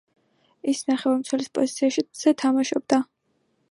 ის ნახევარმცველის პოზიციაზე თამაშობდა.